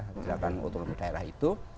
sejak otonomi daerah itu